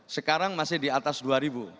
sekarang masih di atas rp dua